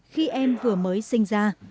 khi em vừa mới sinh ra